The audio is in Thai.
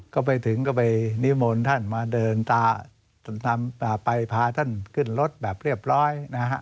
ก็ไปถึงก็ไปนิมนต์ท่านมาเดินไปพาท่านขึ้นรถแบบเรียบร้อยนะฮะ